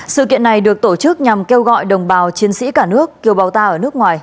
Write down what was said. sự kiện này được tổ chức nhằm kêu gọi đồng bào chiến sĩ cả nước kiều bào ta ở nước ngoài